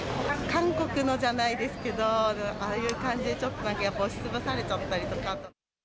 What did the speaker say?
韓国のじゃないですけど、ああいう感じでちょっと、なんか押しつぶされちゃったりとか。